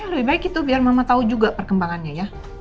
lebih baik itu biar mama tahu juga perkembangannya ya